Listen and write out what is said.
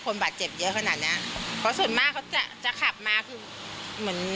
คนบาดเจ็บเยอะขนาดเนี้ยเพราะส่วนมากเขาจะจะขับมาคือเหมือน